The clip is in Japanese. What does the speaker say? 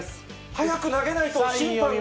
早く投げないと審判が。